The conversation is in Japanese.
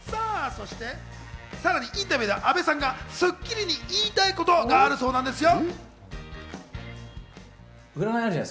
さらにインタビューでは、阿部さんが『スッキリ』に言いたいことがあるそうなんですよ。